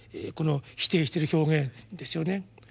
この否定してる表現ですよね。